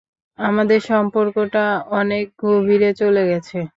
আমাদের সম্পর্কটা অনেক গভীরে চলে গেছে।